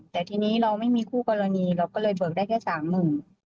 แต่ทีนี้เราไม่มีคู่กรณีเราก็เลยเบิกได้แค่สามหมื่น